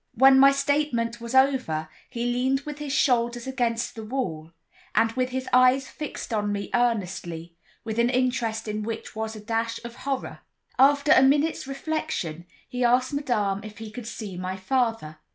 When my statement was over, he leaned with his shoulders against the wall, and with his eyes fixed on me earnestly, with an interest in which was a dash of horror. After a minute's reflection, he asked Madame if he could see my father.